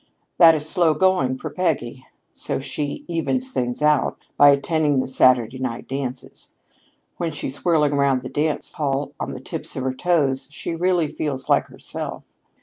That is slow going for Peggy, so she evens things up by attending the Saturday night dances. When she's whirling around the hall on the tips of her toes, she really feels like herself.